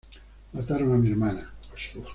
Mataron a mi hermana.